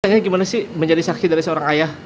kayaknya gimana sih menjadi saksi dari seorang ayah